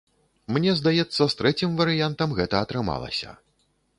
Мне здаецца, з трэцім варыянтам гэта атрымалася.